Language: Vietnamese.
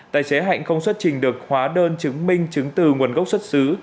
tài xế hạnh không xuất trình được hóa đơn chứng minh chứng từ nguồn gốc xuất xứ